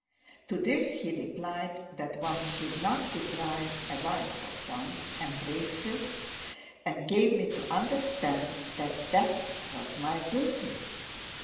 To this he replied that one should not deprive a wife of one's embraces and gave me to understand that that was my duty.